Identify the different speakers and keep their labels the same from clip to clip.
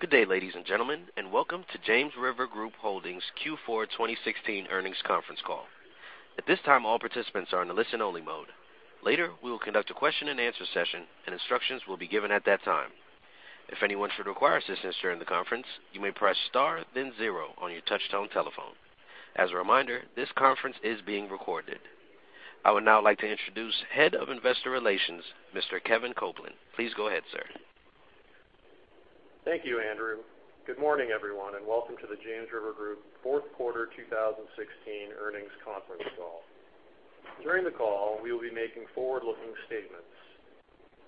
Speaker 1: Good day, ladies and gentlemen, welcome to James River Group Holdings' Q4 2016 earnings conference call. At this time, all participants are in a listen only mode. Later, we will conduct a question and answer session, and instructions will be given at that time. If anyone should require assistance during the conference, you may press star then zero on your touchtone telephone. As a reminder, this conference is being recorded. I would now like to introduce Head of Investor Relations, Mr. Kevin Copeland. Please go ahead, sir.
Speaker 2: Thank you, Andrew. Good morning, everyone, welcome to the James River Group fourth quarter 2016 earnings conference call. During the call, we will be making forward-looking statements.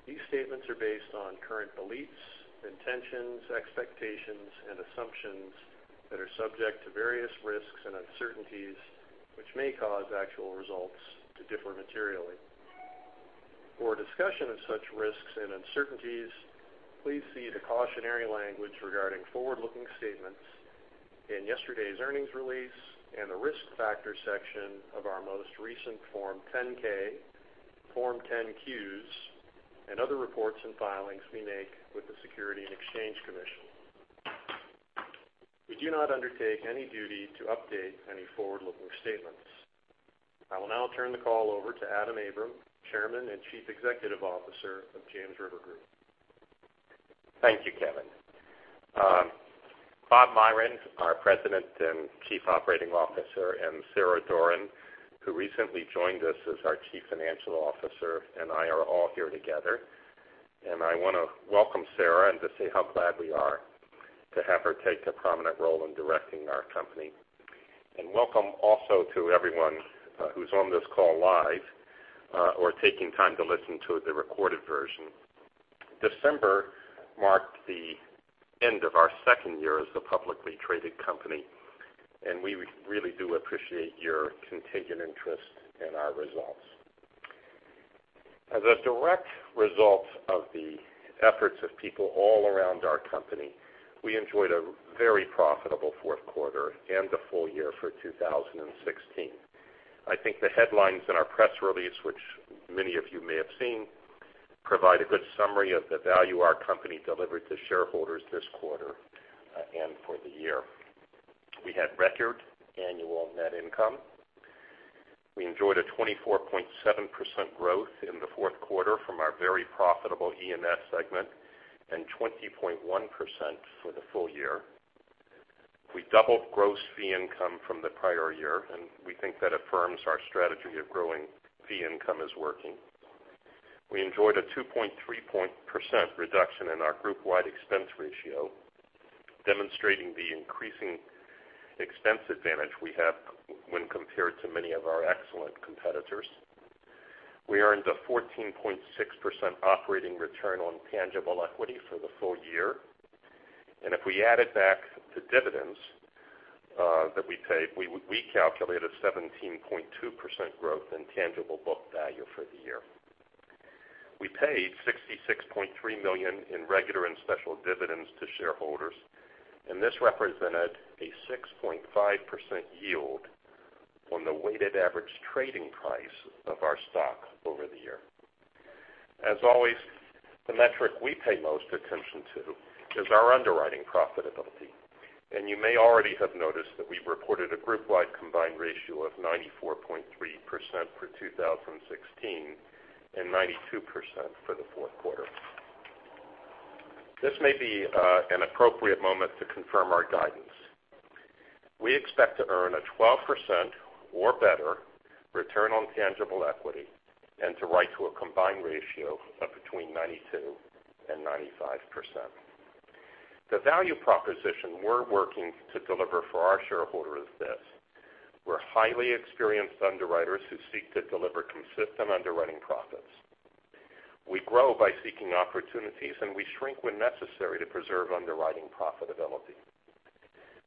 Speaker 2: These statements are based on current beliefs, intentions, expectations, and assumptions that are subject to various risks and uncertainties, which may cause actual results to differ materially. For a discussion of such risks and uncertainties, please see the cautionary language regarding forward-looking statements in yesterday's earnings release and the Risk Factors section of our most recent Form 10-K, Form 10-Qs, and other reports and filings we make with the Securities and Exchange Commission. We do not undertake any duty to update any forward-looking statements. I will now turn the call over to Adam Abram, Chairman and Chief Executive Officer of James River Group.
Speaker 3: Thank you, Kevin. Bob Myron, our President and Chief Operating Officer, Sarah Doran, who recently joined us as our Chief Financial Officer, and I are all here together. I want to welcome Sarah and to say how glad we are to have her take a prominent role in directing our company. Welcome also to everyone who's on this call live or taking time to listen to the recorded version. December marked the end of our second year as a publicly traded company, and we really do appreciate your continued interest in our results. As a direct result of the efforts of people all around our company, we enjoyed a very profitable fourth quarter and a full year for 2016. I think the headlines in our press release, which many of you may have seen, provide a good summary of the value our company delivered to shareholders this quarter and for the year. We had record annual net income. We enjoyed a 24.7% growth in the fourth quarter from our very profitable E&S segment and 20.1% for the full year. We doubled gross fee income from the prior year, and we think that affirms our strategy of growing fee income is working. We enjoyed a 2.3% reduction in our group-wide expense ratio, demonstrating the increasing expense advantage we have when compared to many of our excellent competitors. We earned a 14.6% operating return on tangible equity for the full year. If we added back the dividends that we take, we calculate a 17.2% growth in tangible book value for the year. We paid $66.3 million in regular and special dividends to shareholders. This represented a 6.5% yield on the weighted average trading price of our stock over the year. As always, the metric we pay most attention to is our underwriting profitability. You may already have noticed that we've reported a group-wide combined ratio of 94.3% for 2016 and 92% for the fourth quarter. This may be an appropriate moment to confirm our guidance. We expect to earn a 12% or better return on tangible equity and to write to a combined ratio of between 92% and 95%. The value proposition we're working to deliver for our shareholder is this: we're highly experienced underwriters who seek to deliver consistent underwriting profits. We grow by seeking opportunities. We shrink when necessary to preserve underwriting profitability.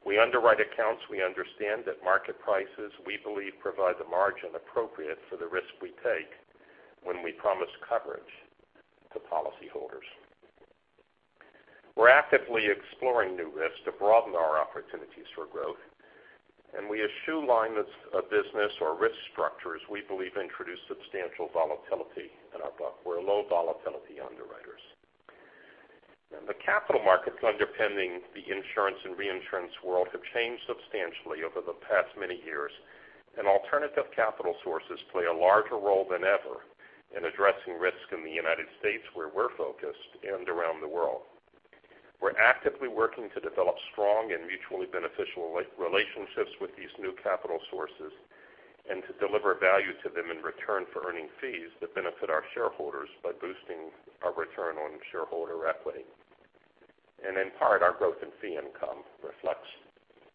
Speaker 3: We underwrite accounts we understand at market prices we believe provide the margin appropriate for the risk we take when we promise coverage to policyholders. We're actively exploring new risks to broaden our opportunities for growth. We eschew lines of business or risk structures we believe introduce substantial volatility in our book. We're low-volatility underwriters. The capital markets underpinning the insurance and reinsurance world have changed substantially over the past many years. Alternative capital sources play a larger role than ever in addressing risk in the United States, where we're focused, and around the world. We're actively working to develop strong and mutually beneficial relationships with these new capital sources and to deliver value to them in return for earning fees that benefit our shareholders by boosting our return on shareholder equity. In part, our growth in fee income reflects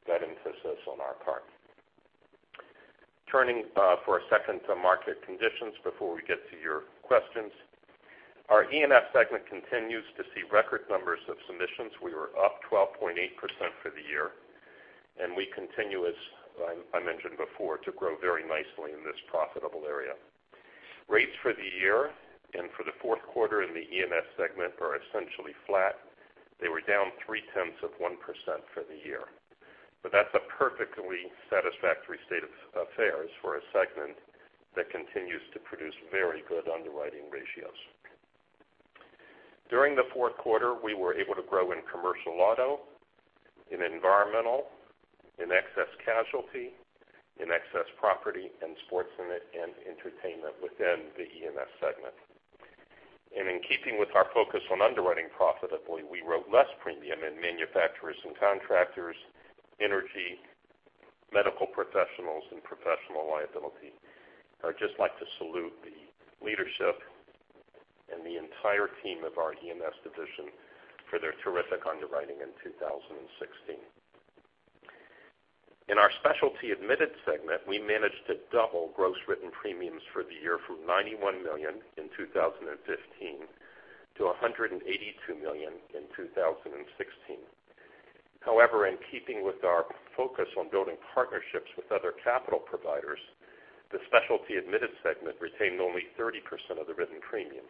Speaker 3: that emphasis on our part. Turning for a second to market conditions before we get to your questions, our E&S segment continues to see record numbers of submissions. We were up 12.8% for the year. We continue, as I mentioned before, to grow very nicely in this profitable area. Rates for the year and for the fourth quarter in the E&S segment are essentially flat. They were down 0.3% for the year. That's a perfectly satisfactory state of affairs for a segment that continues to produce very good underwriting ratios. During the fourth quarter, we were able to grow in commercial auto, in environmental, in excess casualty, in excess property, and sports and entertainment within the E&S segment. In keeping with our focus on underwriting profitably, we wrote less premium in Manufacturers and Contractors, energy, medical professionals, and professional liability. I'd just like to salute the leadership and the entire team of our E&S division for their terrific underwriting in 2016. In our Specialty Admitted segment, we managed to double gross written premiums for the year from $91 million in 2015 to $182 million in 2016. In keeping with our focus on building partnerships with other capital providers, the Specialty Admitted segment retained only 30% of the written premium.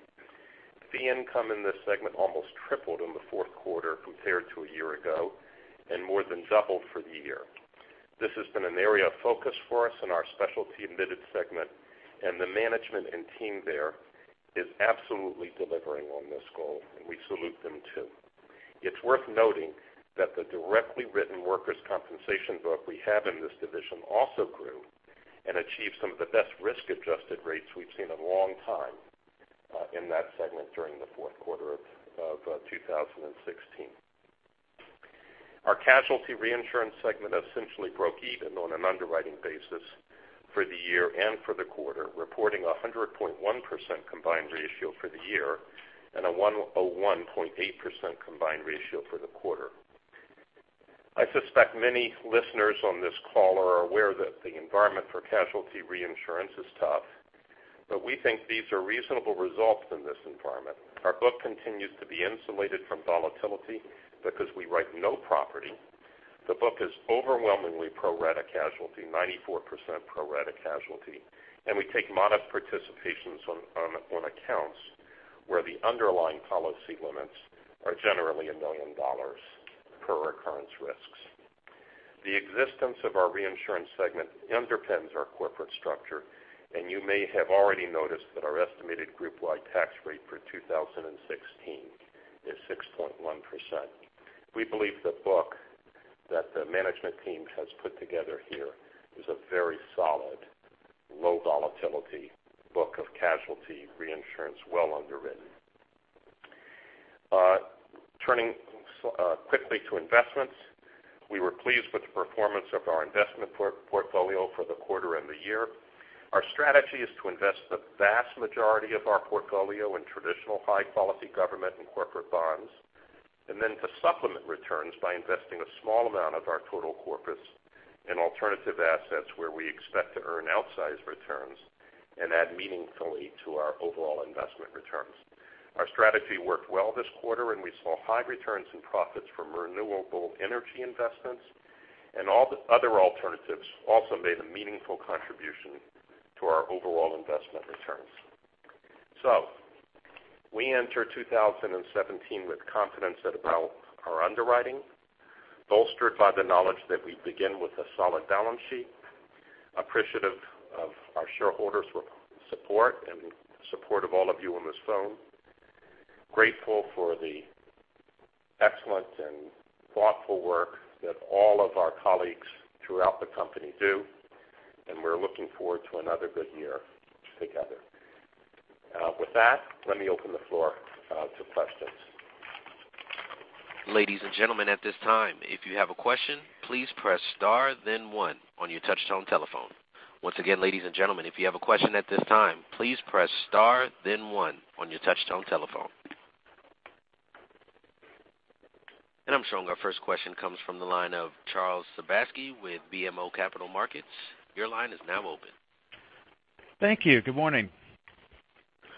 Speaker 3: Fee income in this segment almost tripled in the fourth quarter compared to a year ago. More than doubled for the year. This has been an area of focus for us in our Specialty Admitted segment. The management and team there is absolutely delivering on this goal. We salute them, too. It's worth noting that the directly written workers' compensation book we have in this division also grew and achieved some of the best risk-adjusted rates we've seen in a long time in that segment during the fourth quarter of 2016. Our casualty reinsurance segment essentially broke even on an underwriting basis for the year and for the quarter, reporting a 100.1% combined ratio for the year and a 101.8% combined ratio for the quarter. I suspect many listeners on this call are aware that the environment for casualty reinsurance is tough. We think these are reasonable results in this environment. Our book continues to be insulated from volatility because we write no property. The book is overwhelmingly pro-rata casualty, 94% pro-rata casualty, and we take modest participations on accounts where the underlying policy limits are generally $1 million per occurrence risks. The existence of our reinsurance segment underpins our corporate structure. You may have already noticed that our estimated group-wide tax rate for 2016 is 6.1%. We believe the book that the management team has put together here is a very solid, low volatility book of casualty reinsurance, well underwritten. Turning quickly to investments, we were pleased with the performance of our investment portfolio for the quarter and the year. Our strategy is to invest the vast majority of our portfolio in traditional high-quality government and corporate bonds. Then to supplement returns by investing a small amount of our total corpus in alternative assets where we expect to earn outsized returns and add meaningfully to our overall investment returns. Our strategy worked well this quarter. We saw high returns and profits from renewable energy investments. All the other alternatives also made a meaningful contribution to our overall investment returns. We enter 2017 with confidence about our underwriting, bolstered by the knowledge that we begin with a solid balance sheet, appreciative of our shareholders' support and support of all of you on this phone, grateful for the excellent and thoughtful work that all of our colleagues throughout the company do. We're looking forward to another good year together. With that, let me open the floor to questions.
Speaker 1: Ladies and gentlemen, at this time, if you have a question, please press star then one on your touchtone telephone. Once again, ladies and gentlemen, if you have a question at this time, please press star then one on your touchtone telephone. I'm showing our first question comes from the line of Charles Sebaski with BMO Capital Markets. Your line is now open.
Speaker 4: Thank you. Good morning.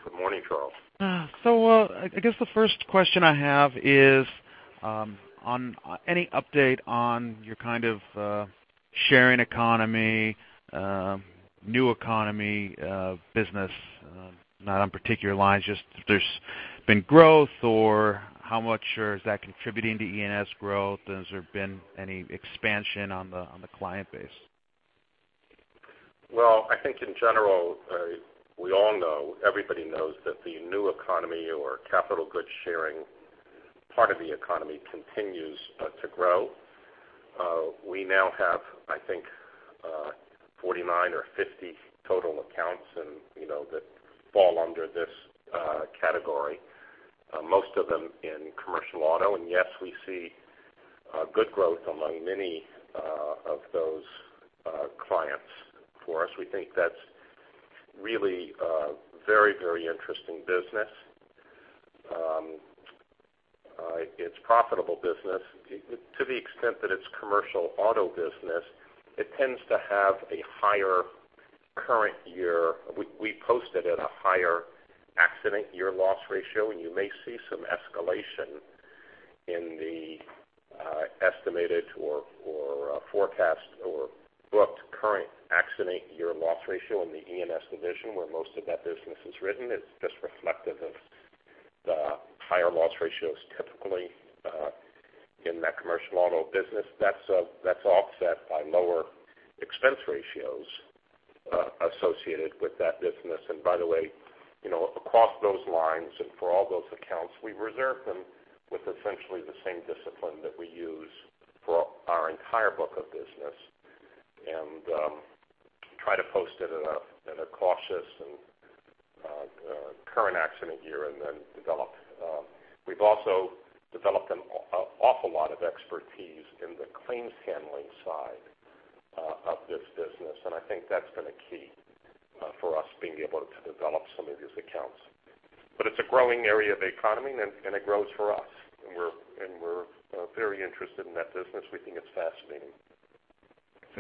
Speaker 3: Good morning, Charles.
Speaker 4: I guess the first question I have is on any update on your kind of sharing economy, new economy business, not on particular lines, just if there's been growth or how much or is that contributing to E&S growth? Has there been any expansion on the client base?
Speaker 3: I think in general, we all know, everybody knows that the new economy or capital goods sharing part of the economy continues to grow. We now have, I think, 49 or 50 total accounts that fall under this category, most of them in commercial auto. And yes, we see good growth among many of those clients for us. We think that's really a very interesting business. It's profitable business. To the extent that it's commercial auto business, it tends to have a higher accident year loss ratio, and you may see some escalation in the estimated or forecast or booked current accident year loss ratio in the E&S division where most of that business is written. It's just reflective of the higher loss ratios typically in that commercial auto business, that's offset by lower expense ratios associated with that business. Across those lines and for all those accounts, we reserve them with essentially the same discipline that we use for our entire book of business, and try to post it in a cautious and current accident year, and then develop. We've also developed an awful lot of expertise in the claims handling side of this business, and I think that's been a key for us being able to develop some of these accounts. It's a growing area of the economy, and it grows for us, and we're very interested in that business. We think it's fascinating.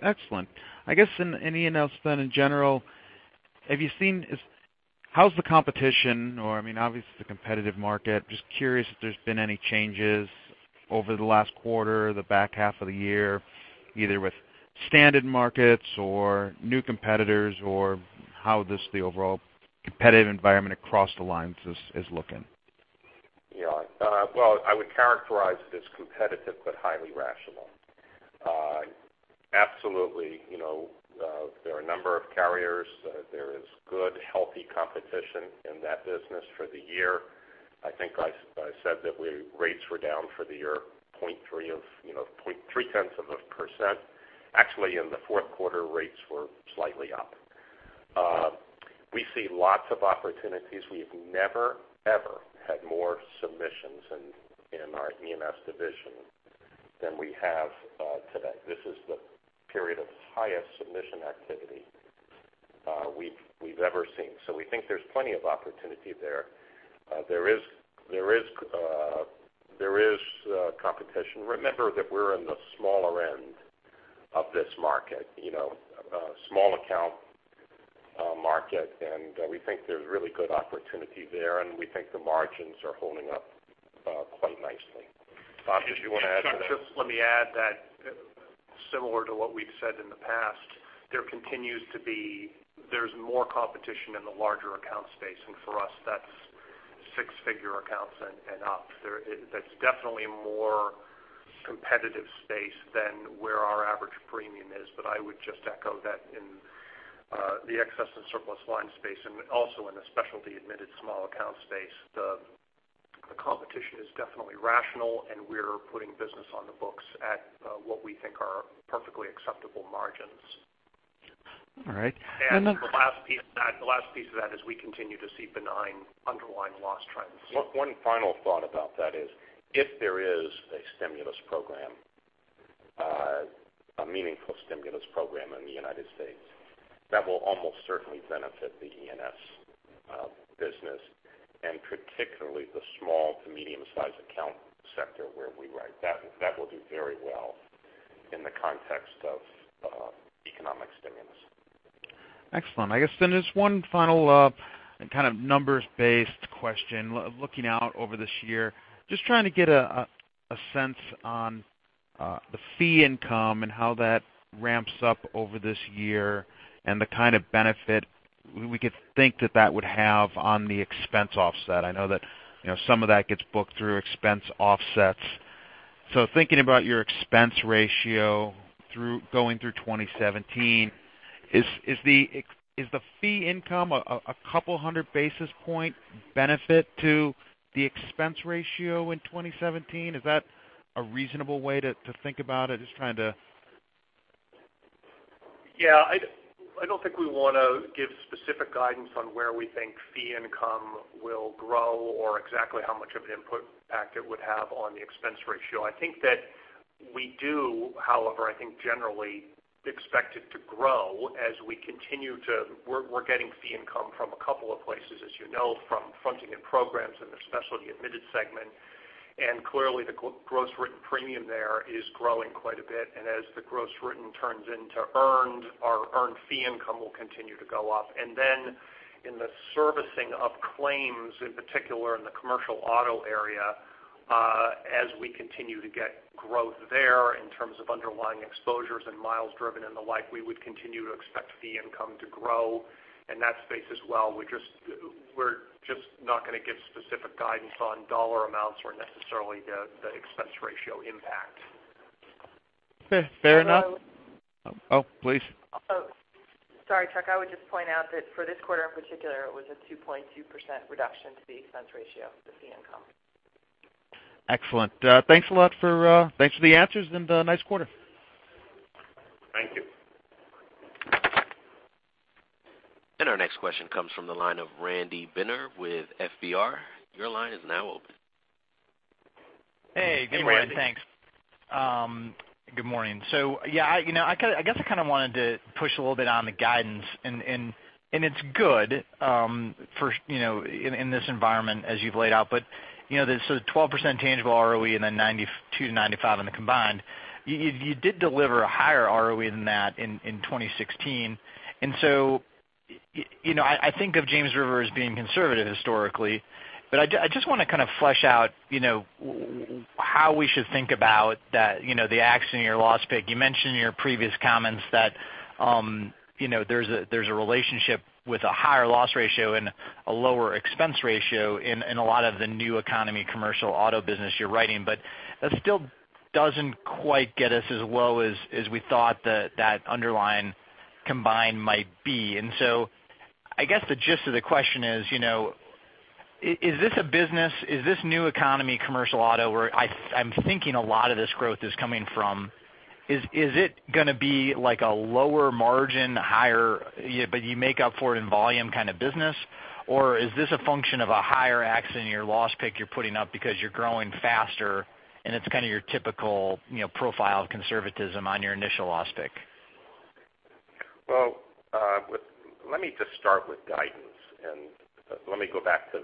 Speaker 4: Excellent. I guess, in any announcement in general, how's the competition, or obviously it's a competitive market. Just curious if there's been any changes over the last quarter, the back half of the year, either with standard markets or new competitors, or how just the overall competitive environment across the lines is looking.
Speaker 3: I would characterize it as competitive but highly rational. Absolutely, there are a number of carriers. There is good, healthy competition in that business for the year. I think I said that rates were down for the year, 0.3 of a percent. Actually, in the fourth quarter, rates were slightly up. We see lots of opportunities. We've never, ever had more submissions in our E&S division than we have today. This is the period of highest submission activity we've ever seen. We think there's plenty of opportunity there. There is competition. Remember that we're in the smaller end of this market, small account market, and we think there's really good opportunity there, and we think the margins are holding up quite nicely. Bob, did you want to add to that?
Speaker 5: Chuck, just let me add that similar to what we've said in the past, there's more competition in the larger account space, and for us, that's six-figure accounts and up. That's definitely a more competitive space than where our average premium is. I would just echo that in the Excess and Surplus Lines space and also in the Specialty Admitted small account space, the competition is definitely rational, and we're putting business on the books at what we think are perfectly acceptable margins.
Speaker 4: All right.
Speaker 5: The last piece of that is we continue to see benign underlying loss trends.
Speaker 3: One final thought about that is if there is a stimulus program, a meaningful stimulus program in the U.S., that will almost certainly benefit the E&S business, and particularly the small to medium-sized account sector where we write. That will do very well in the context of economic stimulus.
Speaker 4: Excellent. I guess then just one final kind of numbers-based question, looking out over this year. Just trying to get a sense on the fee income and how that ramps up over this year, and the kind of benefit we could think that that would have on the expense offset. I know that some of that gets booked through expense offsets. Thinking about your expense ratio going through 2017, is the fee income a couple hundred basis point benefit to the expense ratio in 2017? Is that a reasonable way to think about it?
Speaker 5: Yeah. I don't think we want to give specific guidance on where we think fee income will grow or exactly how much of an impact it would have on the expense ratio. I think that we do, however, I think generally expect it to grow as we're getting fee income from a couple of places, as you know. From fronting and programs in the Specialty Admitted segment, clearly the gross written premium there is growing quite a bit. As the gross written turns into earned, our earned fee income will continue to go up. In the servicing of claims, in particular in the commercial auto area, as we continue to get growth there in terms of underlying exposures and miles driven and the like, we would continue to expect fee income to grow in that space as well. We're just not going to give specific guidance on dollar amounts or necessarily the expense ratio impact.
Speaker 4: Okay. Fair enough.
Speaker 6: I know-
Speaker 4: Oh, please.
Speaker 6: Oh, sorry, Chuck. I would just point out that for this quarter in particular, it was a 2.2% reduction to the expense ratio, the fee income.
Speaker 4: Excellent. Thanks a lot for the answers, and nice quarter.
Speaker 3: Thank you.
Speaker 1: Our next question comes from the line of Randy Binner with FBR. Your line is now open.
Speaker 7: Hey, Randy. Hey. Thanks. Good morning. Yeah, I guess I kind of wanted to push a little bit on the guidance, and it's good in this environment as you've laid out. There's a 12% tangible ROE and then 92%-95% in the combined. You did deliver a higher ROE than that in 2016. I think of James River as being conservative historically, but I just want to kind of flesh out how we should think about the accident year loss pick. You mentioned in your previous comments that there's a relationship with a higher loss ratio and a lower expense ratio in a lot of the new economy commercial auto business you're writing. That's still doesn't quite get us as low as we thought that that underlying combined might be. I guess the gist of the question is this new economy commercial auto where I'm thinking a lot of this growth is coming from, is it going to be like a lower margin, but you make up for it in volume kind of business? Is this a function of a higher accident or loss pick you're putting up because you're growing faster and it's kind of your typical profile conservatism on your initial loss pick?
Speaker 3: Let me just start with guidance, let me go back to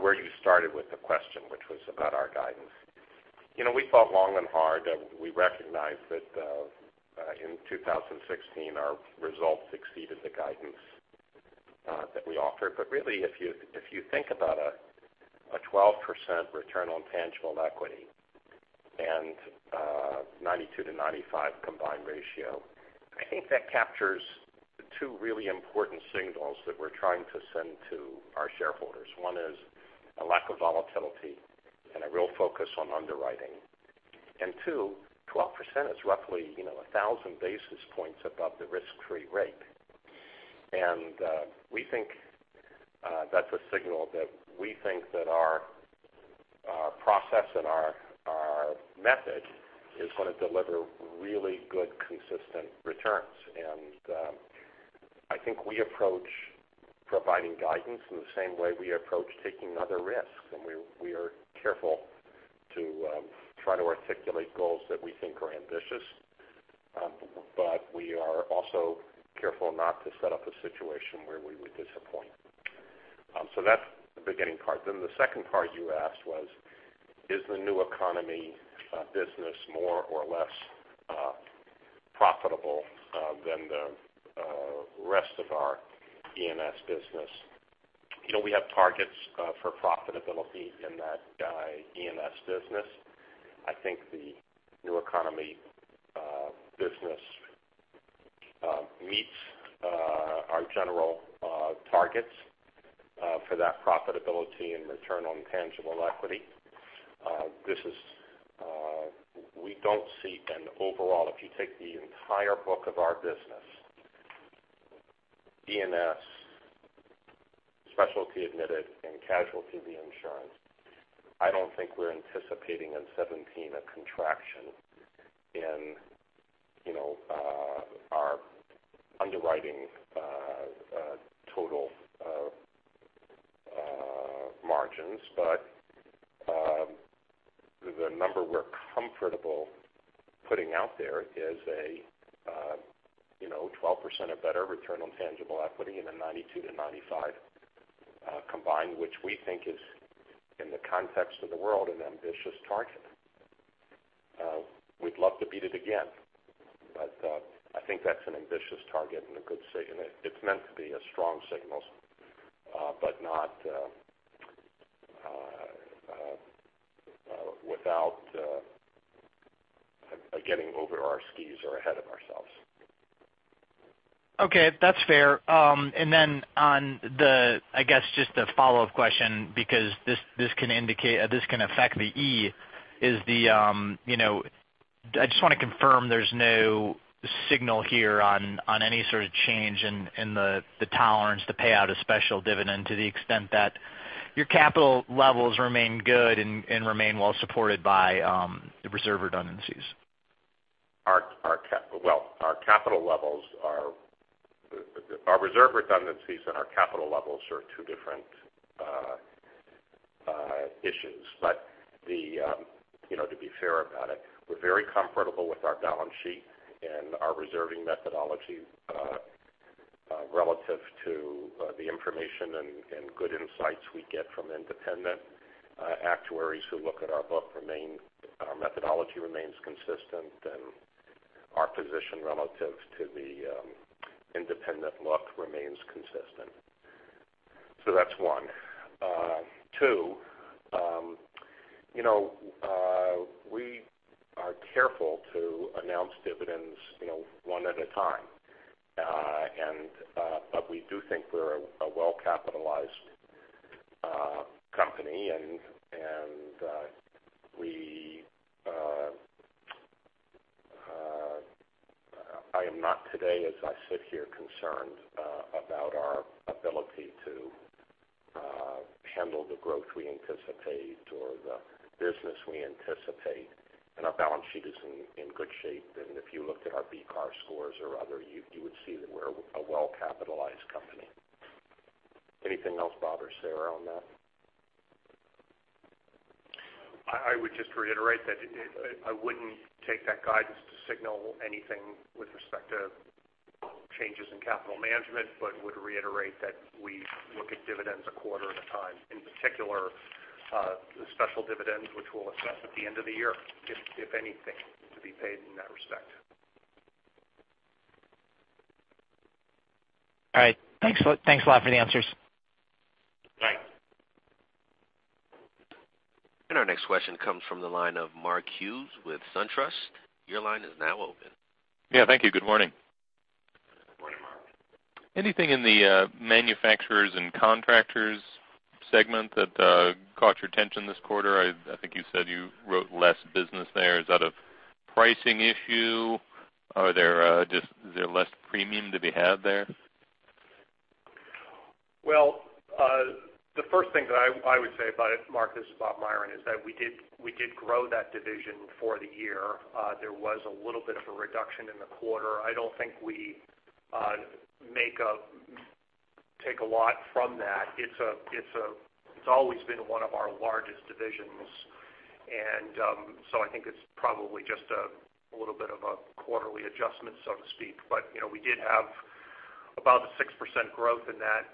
Speaker 3: where you started with the question, which was about our guidance. We thought long and hard, we recognized that in 2016, our results exceeded the guidance that we offered. Really, if you think about a 12% return on tangible equity and a 92%-95% combined ratio, I think that captures the two really important signals that we're trying to send to our shareholders. One is a lack of volatility and a real focus on underwriting. Two, 12% is roughly 1,000 basis points above the risk-free rate. We think that's a signal that we think that our process and our method is going to deliver really good, consistent returns. I think I approach providing guidance in the same way we approach taking other risks, we are careful to try to articulate goals that we think are ambitious. We are also careful not to set up a situation where we would disappoint. That's the beginning part. The second part you asked was, is the new economy business more or less profitable than the rest of our E&S business? We have targets for profitability in that E&S business. I think the new economy business meets our general targets for that profitability and return on tangible equity. We don't see an overall, if you take the entire book of our business, E&S, Specialty Admitted and casualty reinsurance, I don't think we're anticipating in 2017 a contraction in our underwriting total margins. The number we're comfortable putting out there is a 12% or better return on tangible equity in a 92%-95% combined, which we think is, in the context of the world, an ambitious target. We'd love to beat it again, I think that's an ambitious target and it's meant to be a strong signal, not without getting over our skis or ahead of ourselves.
Speaker 7: That's fair. On the, I guess, just a follow-up question, because this can affect the E&S, I just want to confirm there's no signal here on any sort of change in the tolerance to pay out a special dividend to the extent that your capital levels remain good and remain well supported by the reserve redundancies.
Speaker 3: Well, our reserve redundancies and our capital levels are two different issues. To be fair about it, we're very comfortable with our balance sheet and our reserving methodology relative to the information and good insights we get from independent actuaries who look at our book. Our methodology remains consistent. Our position relative to the independent look remains consistent. That's one. Two, we are careful to announce dividends one at a time. We do think we're a well-capitalized company, and I am not today, as I sit here, concerned about our ability to handle the growth we anticipate or the business we anticipate. Our balance sheet is in good shape, and if you looked at our BCAR scores or other, you would see that we're a well-capitalized company. Anything else, Bob or Sarah, on that?
Speaker 5: I would just reiterate that I wouldn't take that guidance to signal anything with respect to changes in capital management, but would reiterate that we look at dividends a quarter at a time, in particular, the special dividends, which we'll assess at the end of the year, if anything is to be paid in that respect.
Speaker 7: All right. Thanks a lot for the answers.
Speaker 3: Right.
Speaker 1: Our next question comes from the line of Mark Hughes with SunTrust. Your line is now open.
Speaker 8: Yeah, thank you. Good morning. Anything in the Manufacturers and Contractors segment that caught your attention this quarter? I think you said you wrote less business there. Is that a pricing issue? Is there less premium to be had there?
Speaker 5: Well, the first thing that I would say about it, Mark, Bob Myron, is that we did grow that division for the year. There was a little bit of a reduction in the quarter. I don't think we take a lot from that. It's always been one of our largest divisions, and so I think it's probably just a little bit of a quarterly adjustment, so to speak. We did have about a 6% growth in that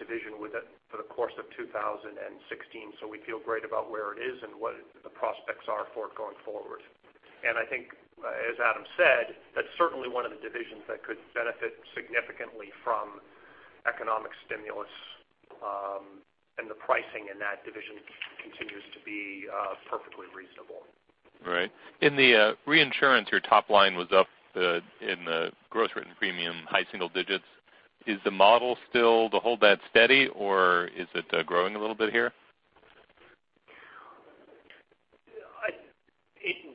Speaker 5: division for the course of 2016. We feel great about where it is and what the prospects are for it going forward. I think, as Adam said, that's certainly one of the divisions that could benefit significantly from economic stimulus, and the pricing in that division continues to be perfectly reasonable.
Speaker 8: Right. In the reinsurance, your top line was up in the gross written premium, high single digits. Is the model still to hold that steady, or is it growing a little bit here?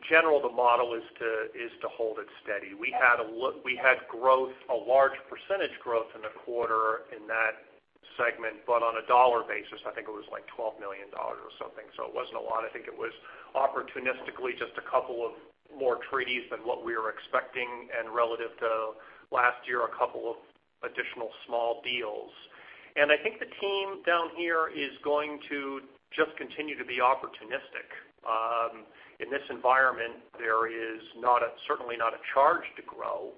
Speaker 5: In general, the model is to hold it steady. We had a large percentage growth in the quarter in that segment, but on a dollar basis, I think it was like $12 million or something. It wasn't a lot. I think it was opportunistically just a couple of more treaties than what we were expecting, and relative to last year, a couple of additional small deals. I think the team down here is going to just continue to be opportunistic. In this environment, there is certainly not a charge to grow.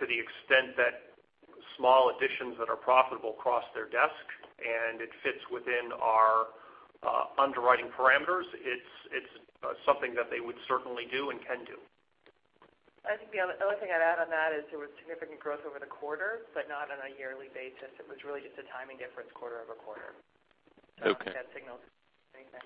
Speaker 5: To the extent that small additions that are profitable cross their desk and it fits within our underwriting parameters, it's something that they would certainly do and can do.
Speaker 6: I think the only thing I'd add on that is there was significant growth over the quarter, but not on a yearly basis. It was really just a timing difference quarter-over-quarter.
Speaker 8: Okay.
Speaker 6: That signals anything.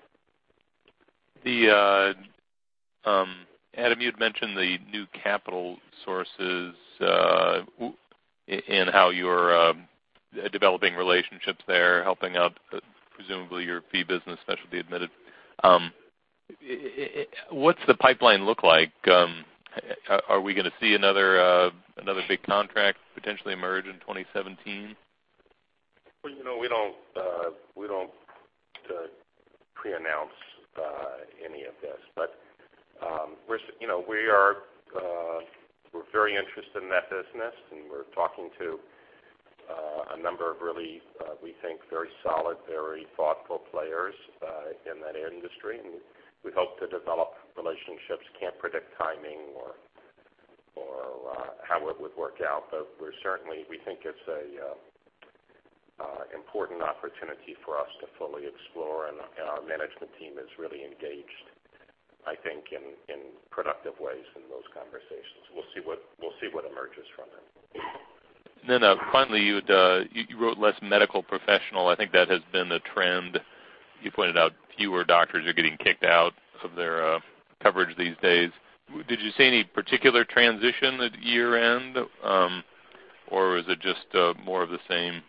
Speaker 8: Adam, you'd mentioned the new capital sources and how you're developing relationships there, helping out presumably your fee business, Specialty Admitted. What's the pipeline look like? Are we going to see another big contract potentially emerge in 2017?
Speaker 3: Well, we don't pre-announce any of this, but we're very interested in that business, and we're talking to a number of really, we think, very solid, very thoughtful players in that industry, and we hope to develop relationships. Can't predict timing or how it would work out, but we think it's an important opportunity for us to fully explore, and our management team is really engaged, I think, in productive ways in those conversations. We'll see what emerges from them.
Speaker 8: Finally, you wrote less medical professional. I think that has been the trend. You pointed out fewer doctors are getting kicked out of their coverage these days. Did you see any particular transition at year-end? Or is it just more of the same?
Speaker 3: Just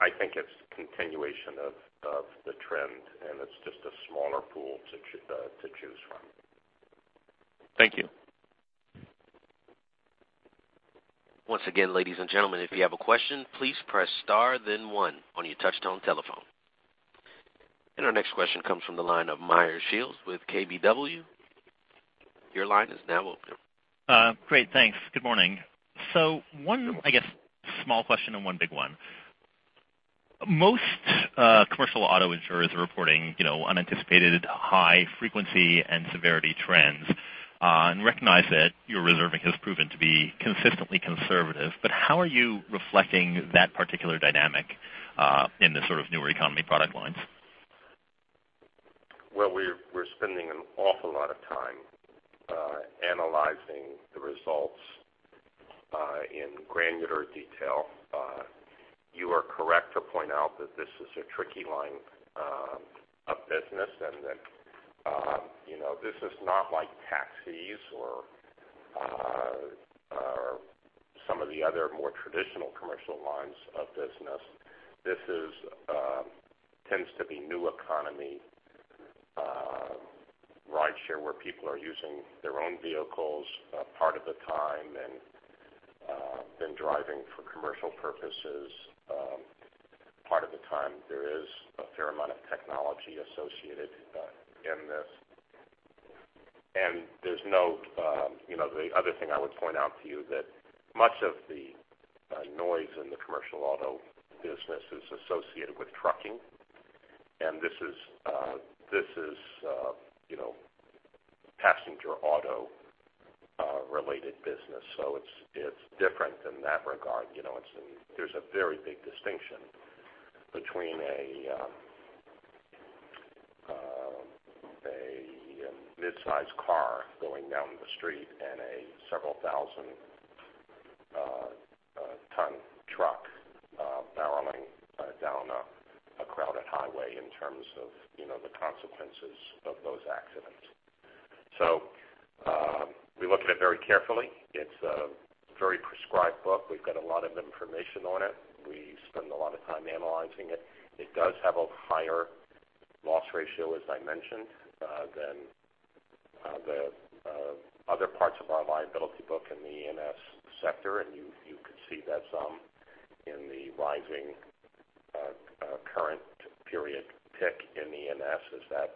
Speaker 3: I think it's continuation of the trend, and it's just a smaller pool to choose from.
Speaker 8: Thank you.
Speaker 1: Once again, ladies and gentlemen, if you have a question, please press star then one on your touchtone telephone. Our next question comes from the line of Meyer Shields with KBW. Your line is now open.
Speaker 9: Great. Thanks. Good morning. One, I guess small question and one big one. Most commercial auto insurers are reporting unanticipated high frequency and severity trends. Recognize that your reserving has proven to be consistently conservative, how are you reflecting that particular dynamic in the sort of newer economy product lines?
Speaker 3: We're spending an awful lot of time analyzing the results in granular detail. You are correct to point out that this is a tricky line of business and that this is not like taxis or some of the other more traditional commercial lines of business. This tends to be new economy rideshare where people are using their own vehicles part of the time and then driving for commercial purposes part of the time. There is a fair amount of technology associated in this. The other thing I would point out to you that much of the noise in the commercial auto business is associated with trucking, and this is passenger auto related business. It's different in that regard. There's a very big distinction between a mid-size car going down the street and a several thousand trucks barreling down a crowded highway in terms of the consequences of those accidents. We look at it very carefully. It's a very prescribed book. We've got a lot of information on it. We spend a lot of time analyzing it. It does have a higher loss ratio, as I mentioned, than the other parts of our liability book in the E&S sector. You could see that some in the rising current period tick in E&S is that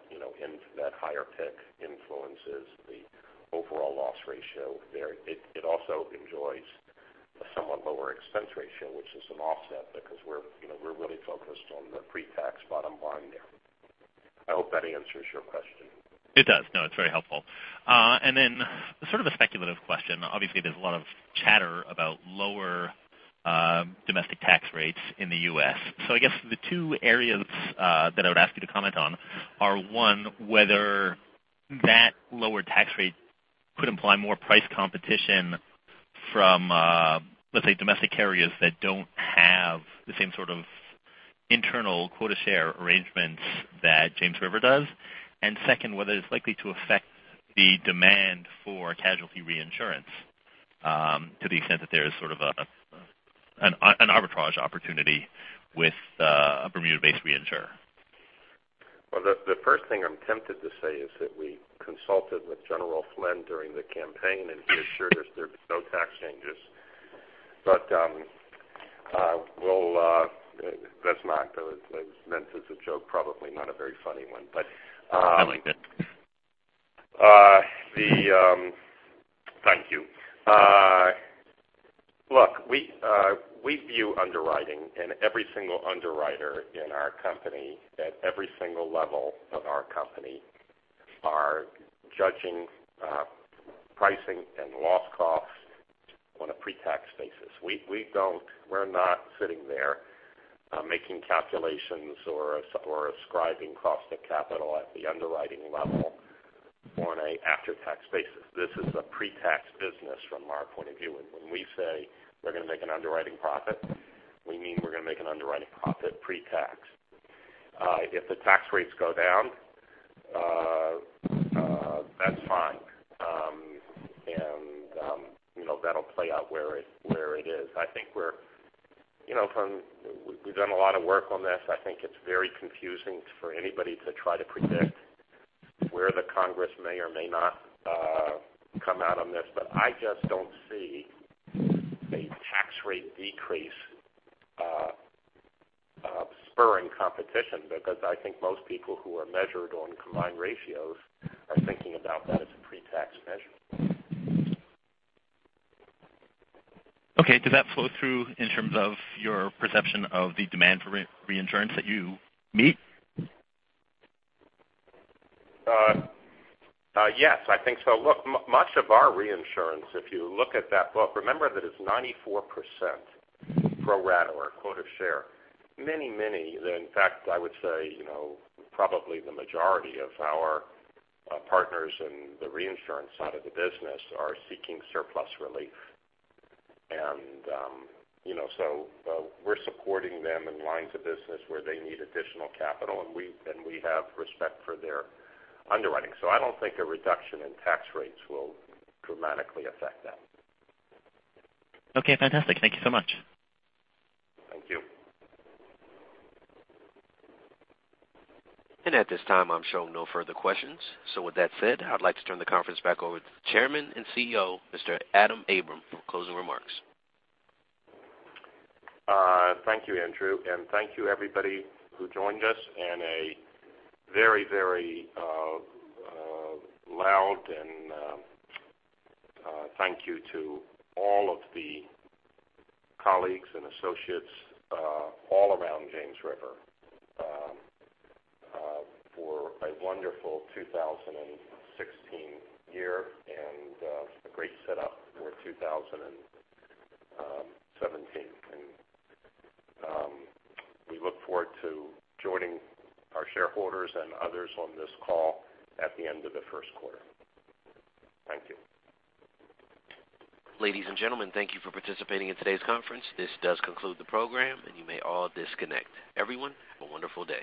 Speaker 3: higher tick influences the overall loss ratio there. It also enjoys a somewhat lower expense ratio, which is an offset because we're really focused on the pre-tax bottom line there. I hope that answers your question.
Speaker 9: It does. No, it's very helpful. Then sort of a speculative question. Obviously, there's a lot of chatter about lower domestic tax rates in the U.S. I guess the two areas that I would ask you to comment on are, one, whether that lower tax rate could imply more price competition from, let's say, domestic carriers that don't have the same sort of internal quota share arrangements that James River does. Second, whether it's likely to affect the demand for casualty reinsurance to the extent that there is sort of an arbitrage opportunity with a Bermuda-based reinsurer.
Speaker 3: Well, the first thing I'm tempted to say is that we consulted with Michael Flynn during the campaign, he assured us there'd be no tax changes. That was meant as a joke, probably not a very funny one.
Speaker 9: I liked it.
Speaker 3: Thank you. Look, we view underwriting and every single underwriter in our company at every single level of our company are judging pricing and loss costs on a pre-tax basis. We're not sitting there making calculations or ascribing cost of capital at the underwriting level on an after-tax basis. This is a pre-tax business from our point of view, and when we say we're going to make an underwriting profit, we mean we're going to make an underwriting profit pre-tax. If the tax rates go down, that's fine. That'll play out where it is. We've done a lot of work on this. I think it's very confusing for anybody to try to predict where the Congress may or may not come out on this. I just don't see a tax rate decrease spurring competition because I think most people who are measured on combined ratios are thinking about that as a pre-tax measure.
Speaker 9: Okay, did that flow through in terms of your perception of the demand for reinsurance that you meet?
Speaker 3: Yes, I think so. Look, much of our reinsurance, if you look at that book, remember that it's 94% pro rata or quota share. Many, in fact, I would say probably the majority of our partners in the reinsurance side of the business are seeking surplus relief. We're supporting them in lines of business where they need additional capital, and we have respect for their underwriting. I don't think a reduction in tax rates will dramatically affect that.
Speaker 9: Okay, fantastic. Thank you so much.
Speaker 3: Thank you.
Speaker 1: At this time, I'm showing no further questions. With that said, I'd like to turn the conference back over to the chairman and CEO, Mr. Adam Abram, for closing remarks.
Speaker 3: Thank you, Andrew. Thank you everybody who joined us. A very, very loud thank you to all of the colleagues and associates all around James River for a wonderful 2016 year and a great setup for 2017. We look forward to joining our shareholders and others on this call at the end of the first quarter. Thank you.
Speaker 1: Ladies and gentlemen, thank you for participating in today's conference. This does conclude the program, and you may all disconnect. Everyone, have a wonderful day.